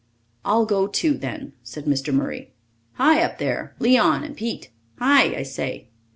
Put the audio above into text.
"I'll go, too, then," said Mr. Murray. "Hi, up there! Leon and Pete! Hi, I say!"